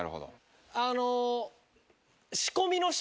あの。